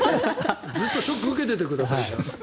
ずっとショック受けていてください。